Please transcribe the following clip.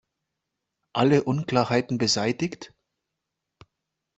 Alle Unklarheiten beseitigt?